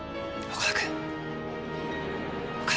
岡田君」。